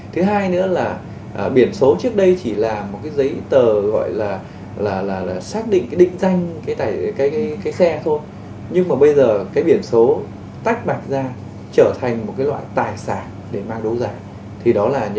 thứ hai nữa là biển số trước đây chỉ là một giấy tờ gọi là xác định định danh cái xe thôi